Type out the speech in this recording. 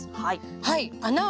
はい。